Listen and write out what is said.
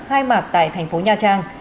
khai mạc tại thành phố nha trang